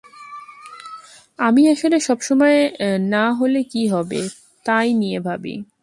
আমি আসলে সবসময়ে না হলে কী হবে, তাই নিয়ে ভাবি।